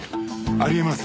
あり得ます。